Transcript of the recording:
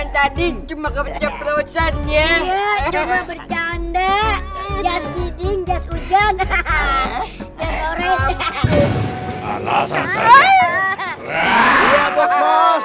tadi cuma kepencet perawasannya